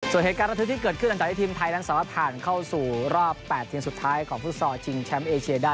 ส่วนเหตุการณ์รับทริปที่เกิดขึ้นจากที่ทีมไทยนักสารพันธ์เข้าสู่รอบ๘เท่านี้สุดท้ายของฟุตสอร์จิงแชมป์เอเชียได้